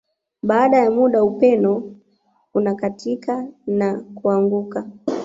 Baada ya muda upeno unakatika na kuanguka